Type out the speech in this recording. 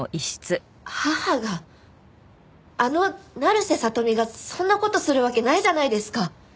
母があの成瀬聡美がそんな事するわけないじゃないですか。